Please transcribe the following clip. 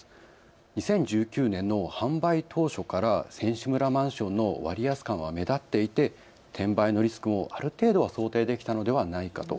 ２０１９年の販売当初から選手村マンションの割安感は目立っていて、転売のリスクもある程度は想定できたのではないかと。